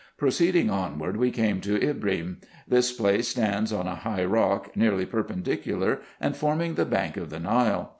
Proceeding onward, we came to Ibrim. This place stands on a high rock, nearly perpendicular, and forming the bank of the Nile.